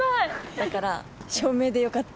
だから照明でよかった。